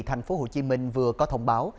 thành phố hồ chí minh vừa có thông báo